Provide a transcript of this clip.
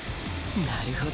なるほど。